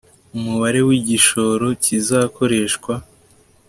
umubare w igishoro kizakoreshwa